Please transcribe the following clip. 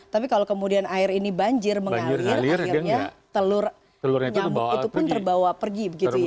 tapi kalau kemudian air ini banjir mengalir akhirnya telur nyamuk itu pun terbawa pergi begitu ya